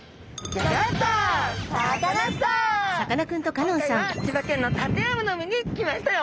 今回は千葉県の館山の海に来ましたよ。